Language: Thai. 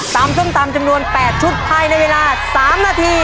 ตามซึ่งตามจำนวน๘ชุดไพร์ในเวลา๓นาที